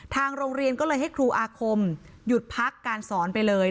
ทางโรงเรียนก็เลยให้ครูอาคมหยุดพักการสอนไปเลย